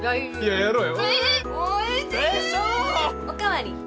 お代わり。